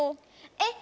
えっ